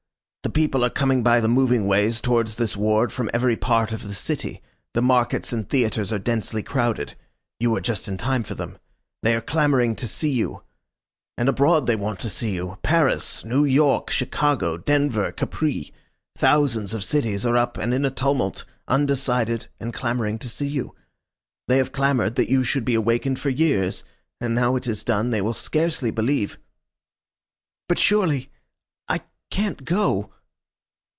The people are coming by the moving ways towards this ward from every part of the city the markets and theatres are densely crowded. You are just in time for them. They are clamouring to see you. And abroad they want to see you. Paris, New York, Chicago, Denver, Capri thousands of cities are up and in a tumult, undecided, and clamouring to see you. They have clamoured that you should be awakened for years, and now it is done they will scarcely believe " "But surely I can't go